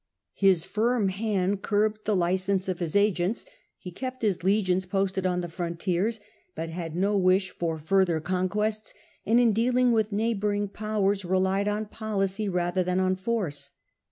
His firm hand curbed the license ^amcteJ^o* of his agents ; he kept his legions posted on Tiberius, the frontiers, but had no wish for further conquests, and in dealing with neighbouring powers relied ^ on policy rather than on force.